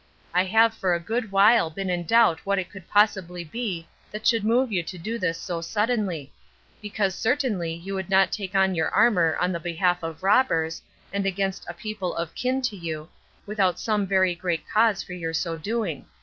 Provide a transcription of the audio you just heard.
I have for a good while been in doubt what it could possibly be that should move you to do this so suddenly; because certainly you would not take on your armor on the behalf of robbers, and against a people of kin to you, without some very great cause for your so doing.